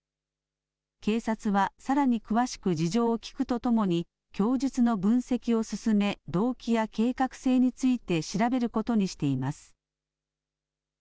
警察はさらに詳しく事情を聞くとともに供述の分析を進め動機や計画性について調べることにしています。